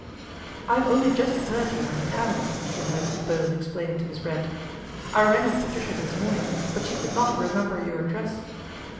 " I have only just heard you were in town," she heard Bowen explaining to Miss Brent. " I rang up Patricia this morning, but she could not i remember your address."